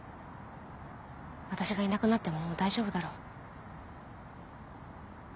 私がいなくなってももう大丈夫だろう。